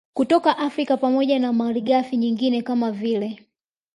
kutoka Afrika pamoja na malighafi nyingine kama vile